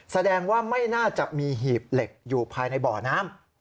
แสดงว่าไม่น่าจะมีหีบเหล็กอยู่ภายในบ่อน้ำ